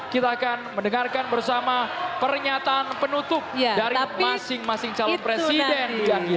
kita akan mendengarkan bersama pernyataan penutup dari masing masing calon presiden